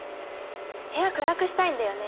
部屋暗くしたいんだよね。